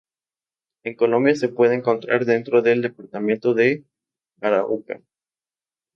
En Colombia se puede encontrar dentro del departamento de Arauca.